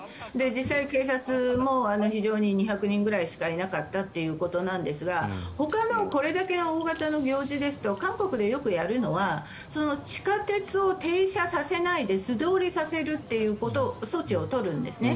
実際、警察も非常に２００人くらいしかいなかったということなんですがほかのこれだけ大型の行事ですと韓国でよくやるのは地下鉄を停車させないで素通りさせるって措置を取るんですね。